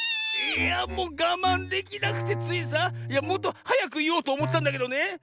⁉いやもうがまんできなくてついさいやもっとはやくいおうとおもってたんだけどね。